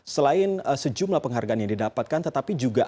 selain sejumlah penghargaan yang didapatkan tetapi juga